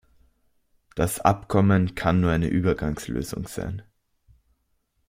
Das Abkommen kann nur eine Übergangslösung sein.